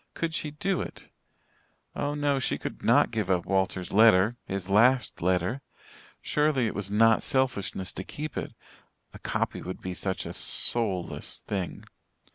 Could she do it? Oh, no, she could not give up Walter's letter his last letter. Surely it was not selfishness to keep it. A copy would be such a soulless thing.